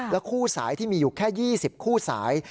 คู่สายที่มีอยู่แค่๒๐คู่สาย